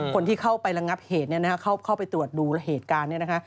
คนที่เข้าไประงับเหตุเข้าไปตรวจดูเหตุการณ์เนี่ยนะคะ